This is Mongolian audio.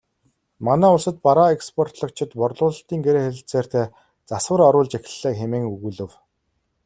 Манай улсад бараа экспортлогчид борлуулалтын гэрээ хэлэлцээртээ засвар оруулж эхэллээ хэмээн өгүүлэв.